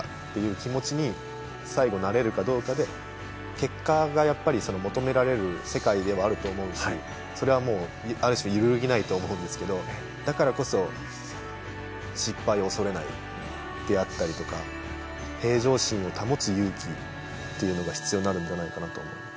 結果がやっぱり求められる世界ではあると思うしそれはもう揺るぎないと思うんですけどだからこそ失敗を恐れないであったりとか平常心を保つ勇気っていうのが必要になるんじゃないかなと思います。